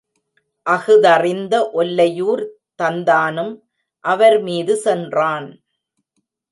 அஃதறிந்த ஒல்லையூர் தந்தானும், அவர்மீது சென்றான்.